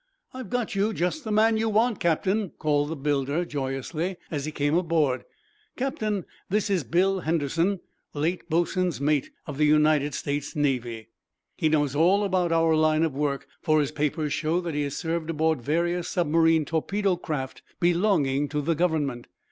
"I've got you just the man you want, Captain," called the builder, joyously, as he came aboard. "Captain, this is Bill Henderson, late boatswain's mate, of the United States Navy. He knows all about our line of work, for his papers show that he has served aboard various submarine torpedo craft belonging to the Government.